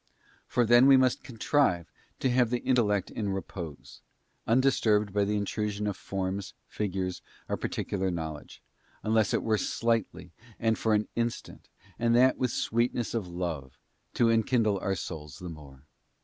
For then we must con trive to have the intellect in repose, undisturbed by the intrusion of forms, figures, or particular knowledge, unless it were slightly and for an instant, and that with sweetness of love, to enkindle our souls the more.